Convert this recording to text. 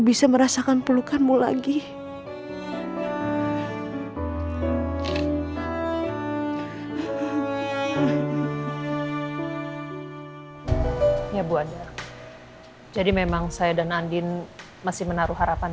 bisa merasakan pelukanmu lagi ya bu ade jadi memang saya dan andin masih menaruh harapan